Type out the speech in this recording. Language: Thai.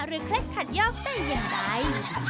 หรือเคล็ดขัดย้อมได้ยังไง